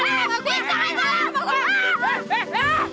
nggak mau mau mau